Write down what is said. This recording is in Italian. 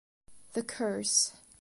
The Curse